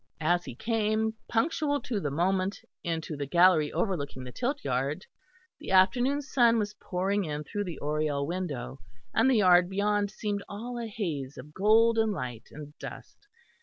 As he came, punctual to the moment, into the gallery overlooking the tilt yard, the afternoon sun was pouring in through the oriel window, and the yard beyond seemed all a haze of golden light and dust.